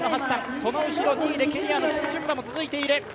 その後ろ２位でケニアのキプチュンバも続いている。